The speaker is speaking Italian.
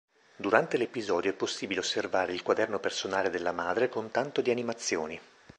Durante l'episodio è possibile osservare il quaderno personale della madre con tanto di animazioni.